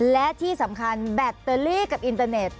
และที่สำคัญแบตเตอรี่กับอินเตอร์เน็ต